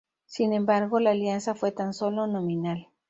Sin embargo la alianza fue tan solo nominal.